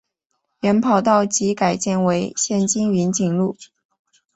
原跑道即改建为现今云锦路。